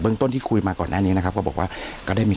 เบื้องต้นที่คุยมาก่อนนั้นเนี้ยนะครับก็บอกว่าก็ได้มี